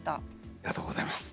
ありがとうございます。